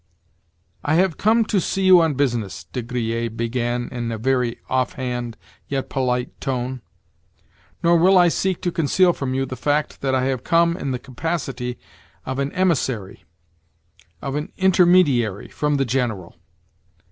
"I have come to see you on business," De Griers began in a very off hand, yet polite, tone; "nor will I seek to conceal from you the fact that I have come in the capacity of an emissary, of an intermediary, from the General.